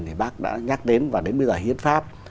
thì bác đã nhắc đến và đến bây giờ hiến pháp